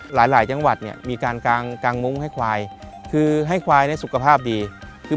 หลายจังหวัดมีการกางมุ้งให้ควายคือให้ควายสุขภาพดี